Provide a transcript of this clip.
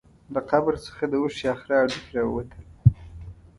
له قبر څخه د اوښ یا خره هډوکي راووتل.